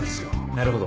なるほど。